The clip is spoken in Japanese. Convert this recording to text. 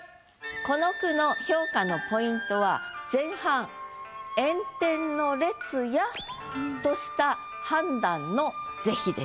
この句の評価のポイントは前半「炎天の列や」とした判断の是非です。